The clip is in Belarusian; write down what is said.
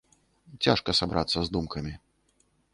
Цяжка сабрацца з думкамі.